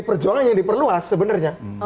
perjuangan yang diperluas sebenarnya